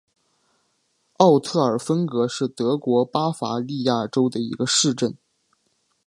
奥特尔芬格是德国巴伐利亚州的一个市镇。